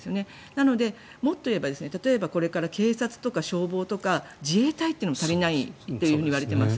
なので、もっといえば例えば、これから警察とか消防とか自衛隊も足りないといわれています。